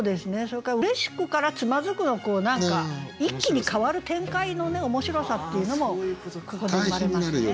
それから「嬉しく」から「躓く」のこう何か一気に変わる展開の面白さっていうのもここで生まれますね。